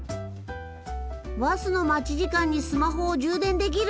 バスの待ち時間にスマホを充電できる。